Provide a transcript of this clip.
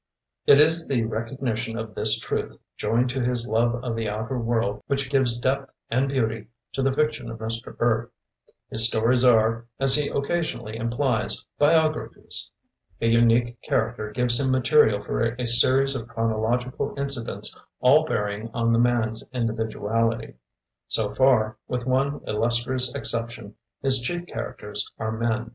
It is the recognition of this truth joined to his love of the outer world which gives depth and beauty to the fiction of Mr. Burt. His stories are, as he occasionally implies, biographies. A unique char acter gives him material for a series of chronological incidents all bearing on the man's individuality. So far, with one illustrious exception, his chief characters are men.